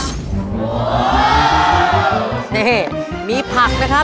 นี่มีผักนะครับ